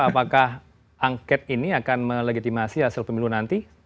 apakah angket ini akan melegitimasi hasil pemilu nanti